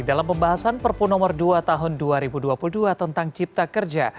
dalam pembahasan perpu nomor dua tahun dua ribu dua puluh dua tentang cipta kerja